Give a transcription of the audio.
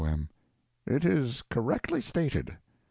M. It is correctly stated.